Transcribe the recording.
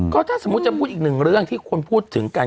ก็ถ้าสมมุติจะพูดอีกหนึ่งเรื่องที่คนพูดถึงกัน